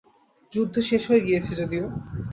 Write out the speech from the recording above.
যুদ্ধ শেষ হয়ে গিয়েছে যদিও।